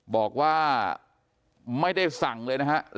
บอกว่าไม่ได้สั่งเลยนะฮะ